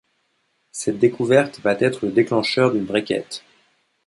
Cette découverte va être le déclencheur d'une vraie quête.